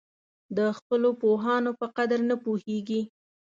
د خپلو پوهانو په قدر نه پوهېږي.